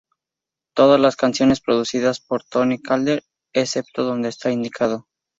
Todas las canciones producidas por Tony Calder, excepto donde está indicado.